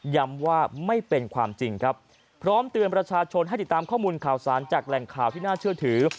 ย้ำว่าไม่เป็นความจริงครับพร้อมเตือนประชาชนให้ติดตามข้อมูลข่าวสารจากแหล่งข่าวที่น่าเชื่อถือ